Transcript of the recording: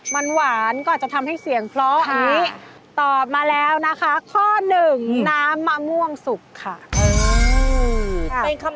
มันหวานก็อาจจะทำให้เสียงพ้ออ่ะ